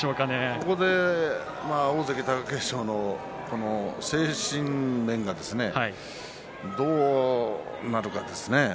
ここで大関貴景勝の精神面がどうなるかですね。